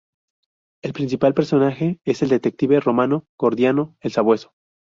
El principal personaje es el detective romano Gordiano el Sabueso.